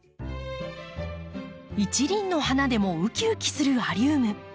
一輪の花でもウキウキするアリウム。